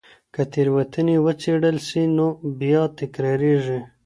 که تېروتنې ونه څېړل سي نو بيا تکرارېږي.